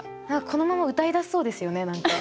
このまま歌い出せそうですよね何か。